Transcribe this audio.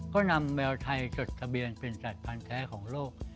ก็นำแมวไทยจดทะเบียนเป็นสัตว์พันธ์แท้ของโลก